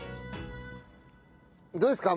どうですか？